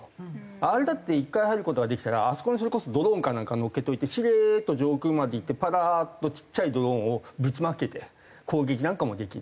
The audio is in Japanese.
あれだって１回入る事ができたらあそこにそれこそドローンかなんか載っけといてしれーっと上空まで行ってパラーッとちっちゃいドローンをぶちまけて攻撃なんかもできる。